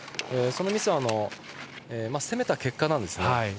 そのミスは攻めた結果なんです。